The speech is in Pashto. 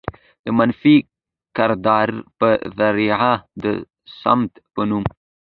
د منفي کردار په ذريعه د صمد په نوم